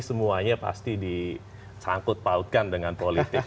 semuanya pasti disangkut pautkan dengan politik